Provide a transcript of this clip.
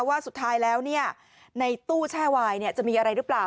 ว่าสุดท้ายแล้วในตู้แช่วายจะมีอะไรหรือเปล่า